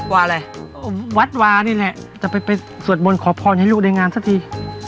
วาอะไรวัดวานี่แหละจะไปสวดมนต์ขอพรให้ลูกในงานสักที